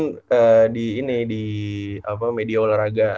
gak di media olahraga